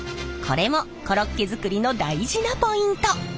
これもコロッケ作りの大事なポイント！